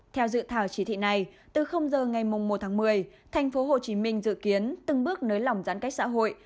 theo dự thảo chỉ thị này từ giờ ngày một tháng một mươi tp hcm dự kiến từng bước nới lỏng giãn cách xã hội